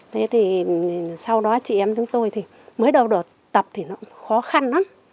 thế thì sau đó chị em chúng tôi thì mới đầu được tập thì nó khó khăn lắm